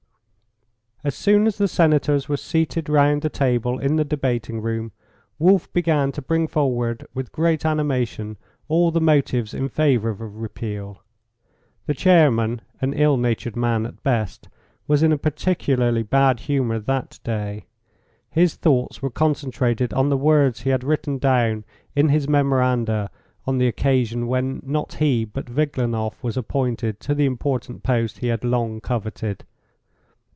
As soon as the Senators were seated round the table in the debating room, Wolf began to bring forward with great animation all the motives in favour of a repeal. The chairman, an ill natured man at best, was in a particularly bad humour that day. His thoughts were concentrated on the words he had written down in his memoranda on the occasion when not he but Viglanoff was appointed to the important post he had long coveted.